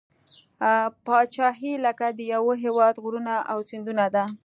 پاچهي لکه د یوه هیواد غرونه او سیندونه ده.